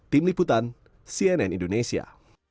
tim liputan cnn indonesia